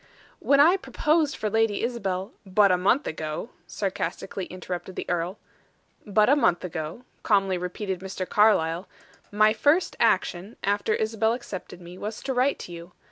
"When I proposed for Lady Isabel " "But a month ago," sarcastically interrupted the earl. "But a month ago," calmly repeated Mr. Carlyle, "my first action, after Isabel accepted me, was to write to you.